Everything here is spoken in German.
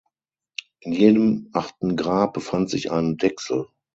In jedem achten Grab befand sich ein Dechsel.